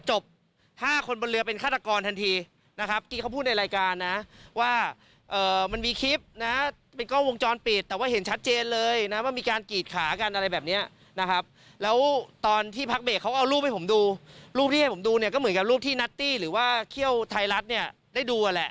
เหมือนกับรูปที่นัตตี้หรือว่าเขี้ยวไทยรัฐเนี่ยได้ดูอันแหละ